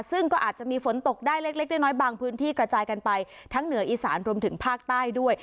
ซึ่งก็อาจจะมีฝนตกได้เล็กน้อยบางพื้นที่กระจายกันไปทั้งเหนืออีสานรวมถึงภาคใต้ด้วย